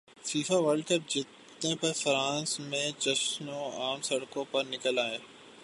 FIFA World cup جیتنے پر France میں جشنعوام سڑکوں پر نکل ائے